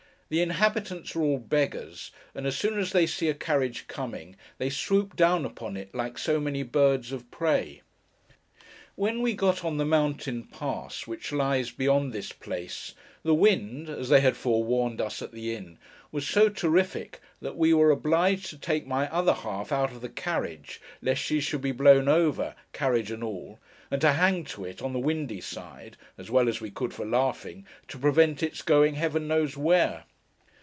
The inhabitants are all beggars; and as soon as they see a carriage coming, they swoop down upon it, like so many birds of prey. When we got on the mountain pass, which lies beyond this place, the wind (as they had forewarned us at the inn) was so terrific, that we were obliged to take my other half out of the carriage, lest she should be blown over, carriage and all, and to hang to it, on the windy side (as well as we could for laughing), to prevent its going, Heaven knows where.